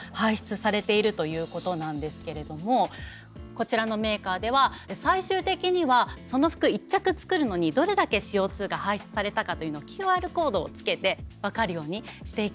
こちらのメーカーでは最終的にはその服１着作るのにどれだけＣＯが排出されたかというのをＱＲコードをつけて分かるようにしていきたいということでした。